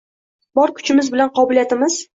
Bor kuchimiz bilan qobiliyatlimiz.